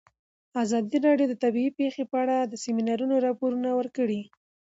ازادي راډیو د طبیعي پېښې په اړه د سیمینارونو راپورونه ورکړي.